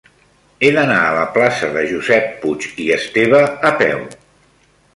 He d'anar a la plaça de Josep Puig i Esteve a peu.